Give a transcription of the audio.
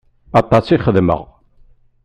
Aṭas i xedmeɣ.